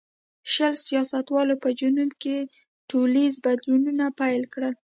شل سیاستوالو په جنوب کې ټولنیز بدلونونه پیل کړل.